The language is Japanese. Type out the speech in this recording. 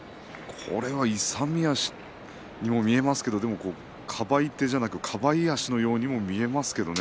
これは勇み足に見えますけれどもかばい足のようにも見えますけどね。